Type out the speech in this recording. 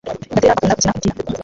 Gatera akunda gukina umupira